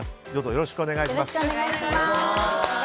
よろしくお願いします。